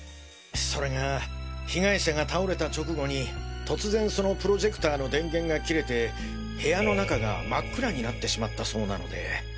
それが被害者が倒れた直後に突然そのプロジェクターの電源が切れて部屋の中が真っ暗になってしまったそうなので。